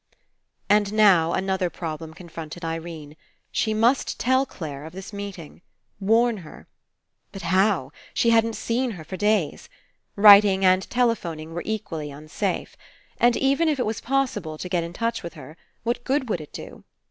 And now another problem confronted Irene. She must tell Clare of this meeting. Warn her. But how? She hadn't seen her for days. Writing and telephoning were equally unsafe. And even if it was possible to get in touch with her, what good would it do?